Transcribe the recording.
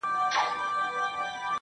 خپه وې چي وړې ، وړې ،وړې د فريادي وې_